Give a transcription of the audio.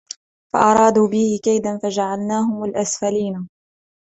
فَأَرَادُوا بِهِ كَيْدًا فَجَعَلْنَاهُمُ الْأَسْفَلِينَ